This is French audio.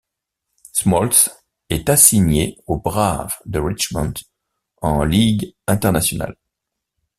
Smoltz est assigné aux Braves de Richmond en Ligue internationale.